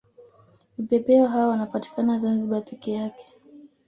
Vipepeo hao wanapatikana zanzibar peke yake